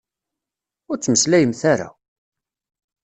Ur ttmeslayemt ara!